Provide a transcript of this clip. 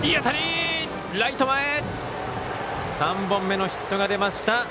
３本目のヒットが出ました。